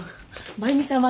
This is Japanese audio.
真由美さんはね